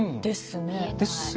ですよね。